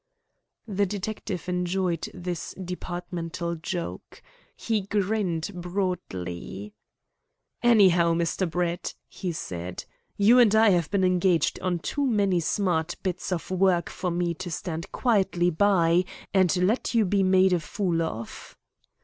The detective enjoyed this departmental joke. He grinned broadly. "Anyhow, Mr. Brett," he said, "you and I have been engaged on too many smart bits of work for me to stand quietly by and let you be made a fool of."